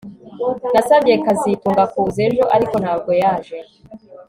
Nasabye kazitunga kuza ejo ariko ntabwo yaje